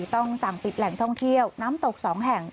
ต้องสั่งปิดแหล่งท่องเที่ยวน้ำตก๒แห่ง